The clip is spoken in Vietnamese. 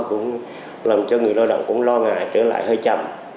cũng làm cho người lao động cũng lo ngại trở lại hơi chậm